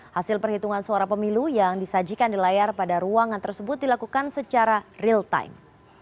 hasil perhitungan suara pemilu yang disajikan di layar pada ruangan tersebut dilakukan secara real time